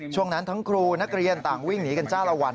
ช่วงนั้นทั้งครูนักเรียนต่างวิ่งหนีกันจ้าละวัน